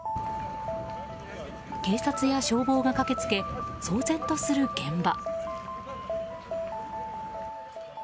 警察や消防が駆け付け騒然とする現場。